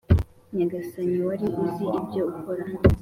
nyagasani, wari uzi ibyo ukora,